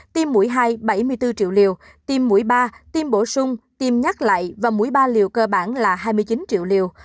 tiêm mũi hai bảy mươi bốn triệu liều tiêm mũi ba tiêm bổ sung tiêm nhắc lại và mũi ba liều cơ bản là hai mươi chín triệu liều